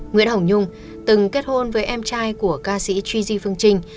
nguyễn hổng nhung từng kết hôn với em trai của ca sĩ tri di phương trinh